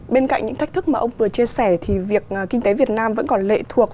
bên cạnh những thách thức mà ông vừa chia sẻ thì việc kinh tế việt nam vẫn còn lệ thuộc